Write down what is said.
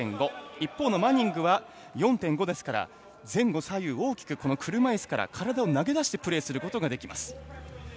一方のマニングは４．５ですから前後左右大きく車いすから体を投げ出してプレーすることができます。